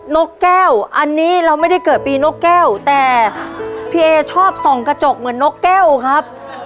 นกแก้วอันนี้เราไม่ได้เกิดปีนกแก้วแต่พี่เอชอบส่องกระจกเหมือนนกแก้วครับ